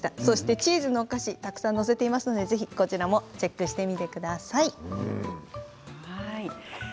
チーズのお菓子も載せていますのでぜひ、ＱＲコードからチェックしてみてください。